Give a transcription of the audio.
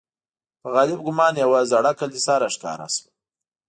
په غالب ګومان یوه زړه کلیسا را ښکاره شوه.